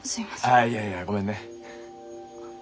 ああいやいやごめんね。